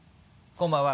こんばんは。